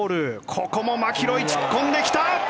ここもマキロイ突っ込んできた！